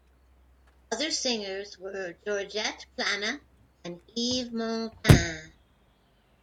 Other singers were Georgette Plana and Yves Montand.